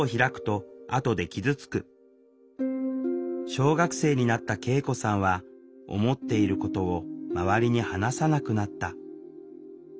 小学生になった圭永子さんは思っていることを周りに話さなくなった。